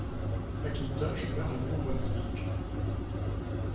McIntosh meurt à Nouveau-Brunswick.